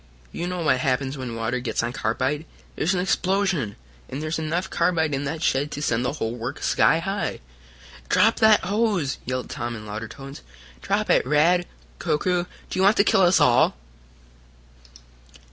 You know what happens when water gets on carbide there's an explosion, and there's enough carbide in that shed to send the whole works sky high. "Drop that hose!" yelled Tom in louder tones. "Drop it, Rad Koku! Do you want to kill us all!"